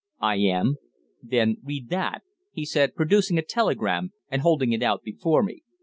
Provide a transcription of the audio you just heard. "I am." "Then read that," he said, producing a telegram and holding it out before me.